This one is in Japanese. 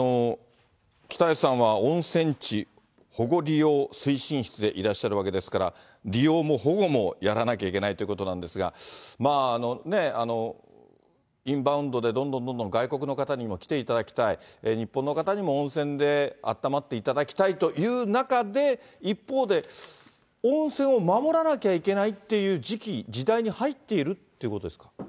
北橋さんは温泉地保護利用推進室でいらっしゃるわけですから、利用も保護もやらなきゃいけないということなんですが、インバウンドでどんどんどんどん外国の方にも来ていただきたい、日本の方にも温泉であったまっていただきたいという中で、一方で、温泉を守らなきゃいけないっていう時期、時代に入っているということですか。